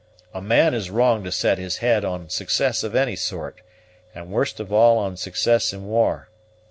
A man is wrong to set his head on success of any sort, and worst of all on success in war.